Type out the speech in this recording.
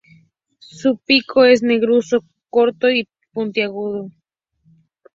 Su pico es negruzco, corto y puntiagudo.